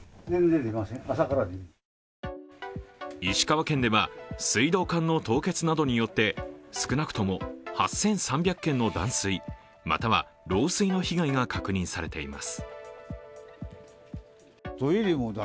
石川県では水道管の凍結などによって少なくとも８３００軒の断水、または漏水の被害が確認されています。